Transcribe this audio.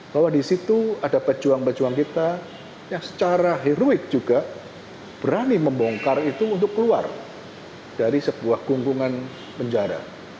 bahwa di situ ada pejuang pejuang kita yang secara heroik juga berani membongkar itu untuk keluar dari sebuah gunggungan penjara